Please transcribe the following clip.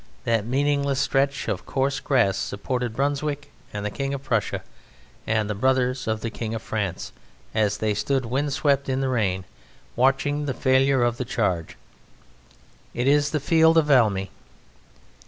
That meaningless stretch of coarse grass supported Brunswick and the King of Prussia, and the brothers of the King of France, as they stood windswept in the rain, watching the failure of the charge. It is the field of Valmy.